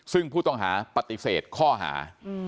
ซึ่งผู้ต้องหาปฏิเสธข้อหา